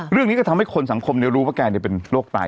เรื่องนี้ก็ทำให้คนสังคมรู้ว่าแกเป็นโรคไต